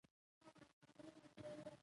جنوب